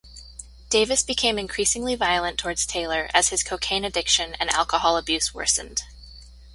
Davis became increasingly violent towards Taylor as his cocaine addiction and alcohol abuse worsened.